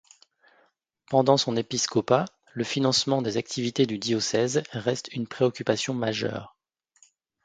Pendant son épiscopat, le financement des activités du diocèse reste une préoccupation majeure.